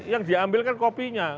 yang diambil kan kopinya